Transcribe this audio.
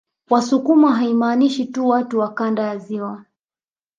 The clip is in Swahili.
Wasukuma haimaanishi tu watu wa kanda ya ziwa